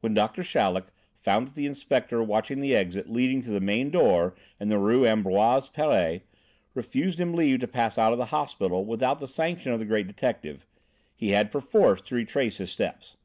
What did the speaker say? When Doctor Chaleck found that the inspector watching the exit leading to the main door in the Rue Ambroise Paré refused him leave to pass out of the hospital without the sanction of the great detective, he had perforce to retrace his steps.